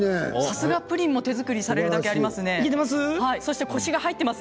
さすがプリンも手作りされるだけありますね。